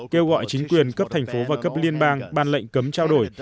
kêu gọi chính quyền cấp thành phố và cấp liên bang ban lệnh cấm trao đổi